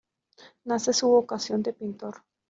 Nace su vocación de pintor.